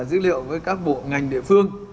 dữ liệu với các bộ ngành địa phương